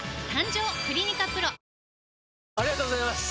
ありがとうございます！